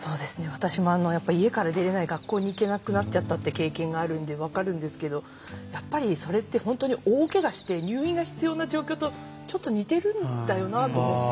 私もやっぱ家から出れない学校に行けなくなっちゃったって経験があるんで分かるんですけどやっぱりそれって本当に大けがして入院が必要な状況とちょっと似てるんだよなと思って。